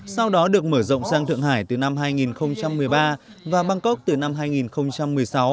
sau đó được mở rộng sang thượng hải từ năm hai nghìn một mươi ba và bangkok từ năm hai nghìn một mươi sáu